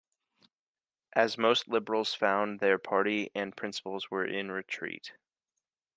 As most Liberals found their party and principles were in retreat.